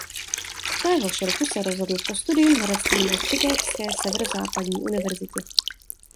Téhož roku se rozhodl pro studium herectví na chicagské Severozápadní univerzitě.